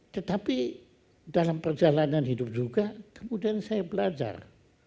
tetapi dalam perjalanan hidup juga kemudian saya belajar